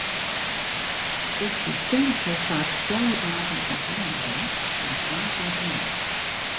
It systeem sil faaks fjouwer dagen offline bliuwe, oant woansdeitemoarn.